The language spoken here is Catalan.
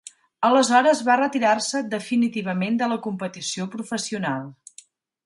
Aleshores va retirar-se definitivament de la competició professional.